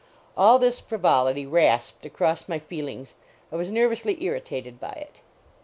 All this frivolity rasped across my feelings; I was nervously irritated by it.